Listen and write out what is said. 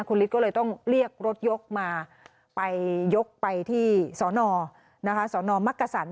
คุณฤทธิ์ก็เลยต้องเรียกรถยกมาไปยกไปที่สนนะคะสนมักกษัน